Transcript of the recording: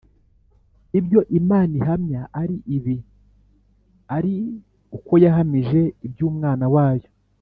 ibyo Imana ihamya ari ibi, ari uko yahamije iby'Umwana wayo.